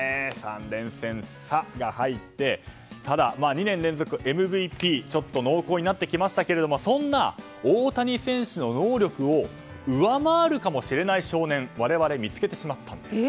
３連戦の「サ」が入ってただ、２年連続ＭＶＰちょっと濃厚になってきましたがそんな大谷選手の能力を上回るかもしれない少年を我々、見つけてしまったんです。